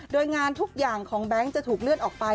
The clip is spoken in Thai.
โดยงานทุกอย่างของแบงค์จะถูกเลื่อนออกไป